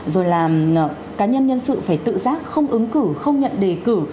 rồi là cá nhân nhân sự phải tự giác không ứng cử không nhận đề cử